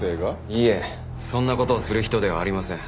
いえそんな事をする人ではありません。